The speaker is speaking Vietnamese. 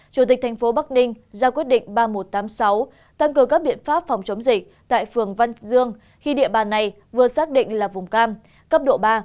chủ tịch thành phố bắc ninh ra quyết định ba nghìn một trăm tám mươi sáu tăng cường các biện pháp phòng chống dịch tại phường văn dương khi địa bàn này vừa xác định là vùng cam cấp độ ba